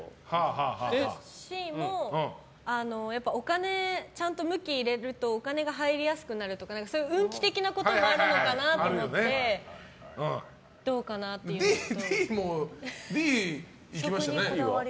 Ｃもちゃんと向き入れるとお金が入りやすくなるとかそういう運気的なこともあるのかなと思ってＤもいきましたね。